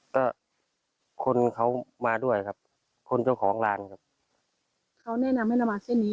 ก็คนเขามาด้วยครับคนเจ้าของร้านครับเขาแนะนำให้เรามาเส้นนี้